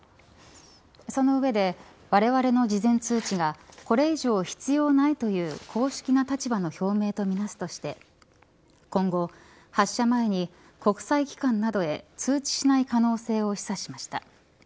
その上で、われわれの事前通知がこれ以上必要ないという公式な立場の表明とみなすとして今後発射前に国際機関などへ通知しない可能性を示唆しました。